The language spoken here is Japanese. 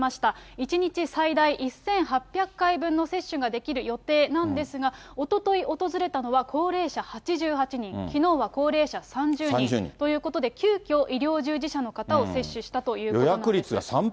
１日最大１８００回分の接種ができる予定なんですが、おととい訪れたのは、高齢者８８人、きのうは高齢者３０人ということで、急きょ、医療従事者の方を接種したということなんです。